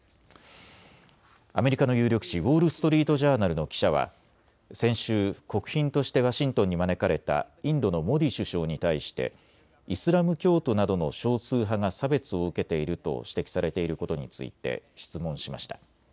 アメリカの有力紙、ウォール・ストリート・ジャーナルの記者は先週、国賓としてワシントンに招かれたインドのモディ首相に対してイスラム教徒などの少数派が差別を受けていると指摘されていることについて質問しました。